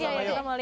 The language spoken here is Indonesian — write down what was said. kita mau lihat yuk